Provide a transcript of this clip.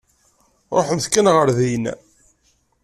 Ṛuḥemt kan ɣer din.